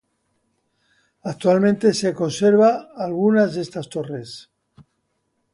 Actualmente se conserva algunas de estas torres.